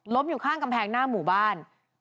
อยู่ข้างกำแพงหน้าหมู่บ้าน